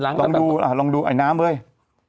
ดูสิ่งที่เขาใช้ดิฮะอ่าลองดูภาพใช้ชีวิตหรูหลามีแร็คซะมี่รถยุโรป